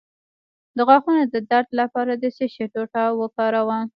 د غاښونو د درد لپاره د څه شي ټوټه وکاروم؟